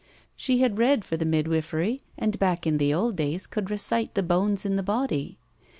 She had read for the midwifery, and back in the old days could recite the bones in the body.